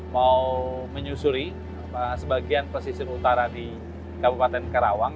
mau menyusuri sebagian pesisir utara di kabupaten karawang